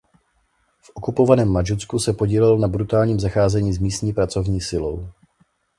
V okupovaném Mandžusku se podílel na brutálním zacházení s místní pracovní silou.